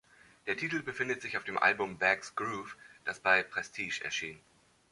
Der Titel befindet sich auf dem Album Bags’ Groove, das bei Prestige erschien.